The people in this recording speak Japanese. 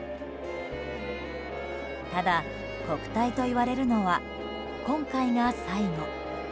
ただ、国体と言われるのは今回が最後。